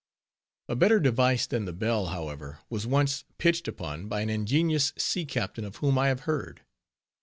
A better device than the bell, however, was once pitched upon by an ingenious sea captain, of whom I have heard.